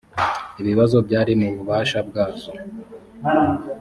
ibibazo byari mu bubasha bwazo